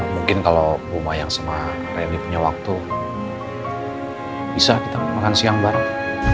mungkin kalau rumah yang sama reni punya waktu bisa kita makan siang bareng